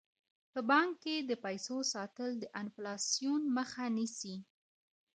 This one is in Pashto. په بانک کې د پیسو ساتل د انفلاسیون مخه نیسي.